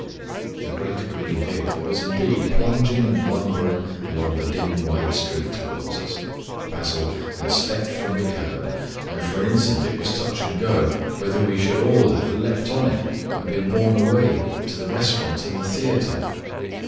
The great green vehicle was indeed plunging and lumbering along the dim wide street towards us. Basil had stepped from the curb, and for an instant it was touch and go whether we should all have leaped on to it and been borne away to the restaurant and the theatre.